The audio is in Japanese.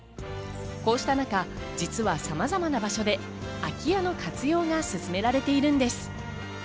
こうした中、実はさまざまな場所で空き家の活用が進められているんです。